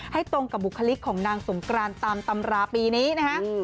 ตรงกับบุคลิกของนางสงกรานตามตำราปีนี้นะฮะ